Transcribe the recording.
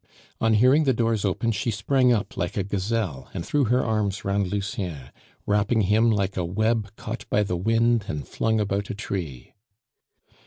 On hearing the doors open she sprang up like a gazelle, and threw her arms round Lucien, wrapping him like a web caught by the wind and flung about a tree.